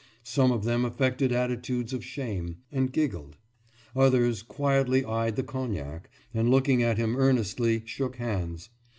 Some of them affected attitudes of shame, and giggled; others quietly eyed the cognac, and looking at him earnestly shook hands.